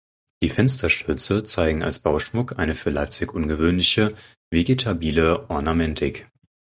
Die Fensterstürze zeigen als Bauschmuck eine für Leipzig ungewöhnliche vegetabile Ornamentik.